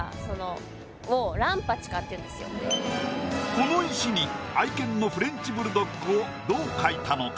この石に愛犬のフレンチブルドッグをどう描いたのか？